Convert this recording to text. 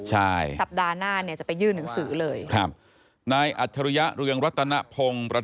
สัปดาห์หน้าจะไปยื่นหนังสือเลย